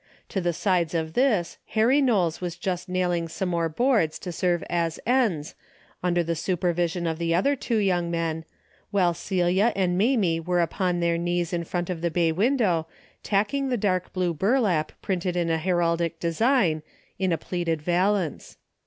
To the sides of this Harry Knowles was just nailing some more boards to serve as ends, under the supervision of the other two young men, while Celia and Mamie were upon their knees in front of the bay window tacking the dark blue burlap printed in a heraldic design, in a pleated valance.